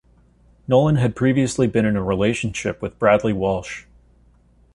Nolan had previously been in a relationship with Bradley Walsh.